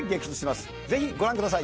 ぜひご覧ください。